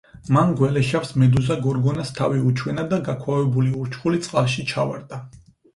მან გველეშაპს მედუზა გორგონას თავი უჩვენა და გაქვავებული ურჩხული წყალში ჩავარდა.